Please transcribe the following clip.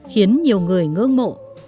khiến nhiều người ngương mộ